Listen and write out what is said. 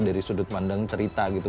dari sudut pandang cerita gitu